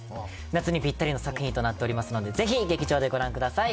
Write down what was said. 夏にぴったりの作品となっておりますので、ぜひ劇場でご覧ください。